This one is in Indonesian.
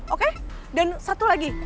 oke dan satu lagi